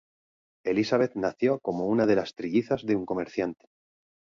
Elisabeth nació como una de las trillizas de un comerciante.